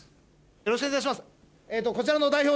よろしくお願いします。